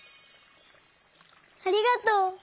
ありがとう！